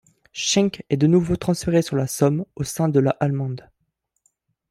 Schenk est de nouveau transféré sur la Somme au sein de la allemande.